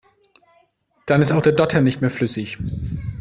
Dann ist auch der Dotter nicht mehr flüssig.